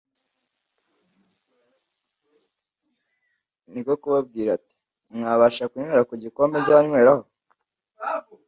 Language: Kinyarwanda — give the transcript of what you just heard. Niko kubabwira ati: «Mwabasha kunywera ku gikombe nzanyweraho